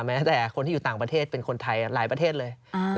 แม้แต่คนที่อยู่ต่างประเทศเป็นคนไทยหลายประเทศเลย